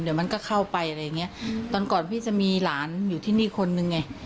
เดี๋ยวมันก็เข้าไปอะไรอย่างเงี้ยตอนก่อนพี่จะมีหลานอยู่ที่นี่คนนึงไง